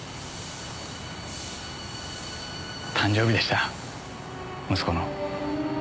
誕生日でした息子の。